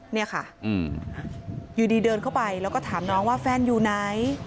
เนี่ยค่ะอยู่ดีเดินเข้าไปแล้วก็ถามน้องว่าแฟนอยู่ไหน